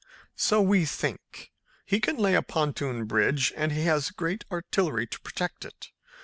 "So we think. He can lay a pontoon bridge, and he has a great artillery to protect it.